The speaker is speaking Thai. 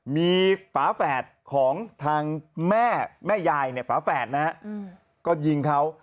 มีฝาแฝดของทางแม่แม่ยายฝาแฝดนะครับก็ยิงเขา